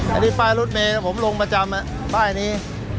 อันนี้ป้ายรถเมย์ผมลงประจำป้ายนี้